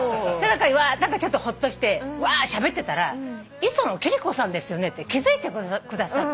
何かちょっとホッとしてわーしゃべってたら「磯野貴理子さんですよね？」って気付いてくださって。